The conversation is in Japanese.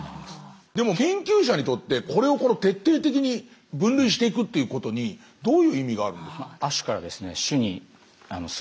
でも研究者にとってこれを徹底的に分類していくっていうことにどういう意味があるんでしょう？